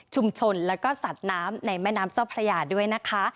แล้วก็สัตว์น้ำในแม่น้ำเจ้าพระยาด้วยนะคะ